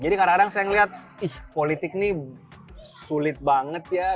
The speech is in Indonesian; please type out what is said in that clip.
kadang kadang saya ngeliat ih politik nih sulit banget ya